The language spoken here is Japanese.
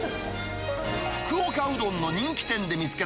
福岡うどんの人気店で見つけ